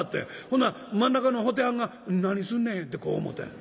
ほんなら真ん中の布袋はんが『何すんねん』ってこう思うたんや。